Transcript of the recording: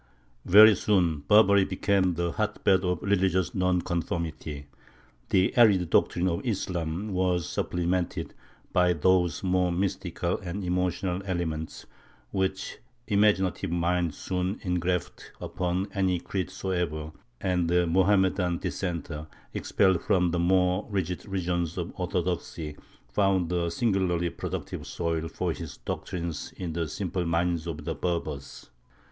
Very soon Barbary became the hotbed of religious nonconformity; the arid doctrines of Islam were supplemented by those more mystical and emotional elements which imaginative minds soon engraft upon any creed soever; and the Mohammedan dissenter, expelled from the more rigid regions of orthodoxy, found a singularly productive soil for his doctrines in the simple minds of the Berbers.